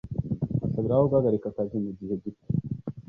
asabiraho guhagarika akazi mu gihe gito